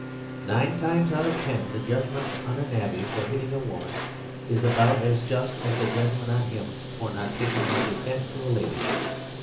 Nine times out of ten the judgment on a navvy for hitting a woman is about as just as a judgment on him for not tak ing off his hat to a lady.